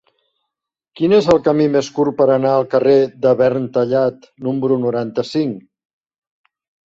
Quin és el camí més curt per anar al carrer de Verntallat número noranta-cinc?